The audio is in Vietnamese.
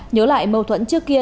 nhớ lại mâu thuẫn trước kia